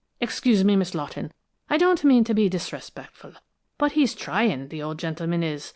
Excuse me, Miss Lawton, I don't mean to be disrespectful, but he's trying, the old gentleman is!